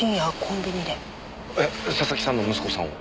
えっ佐々木さんの息子さんを？